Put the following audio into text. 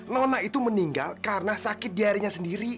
nona itu meninggal karena sakit diarinya sendiri